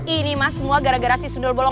ini mah semua gara gara sundol bolong